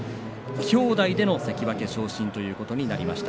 兄弟での関脇昇進ということになりました。